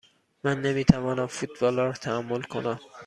من نمی توانم فوتبال را تحمل کنم.